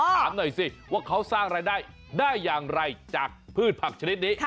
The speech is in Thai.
ถามหน่อยสิว่าเขาสร้างรายได้ได้อย่างไรจากพืชผักชนิดนี้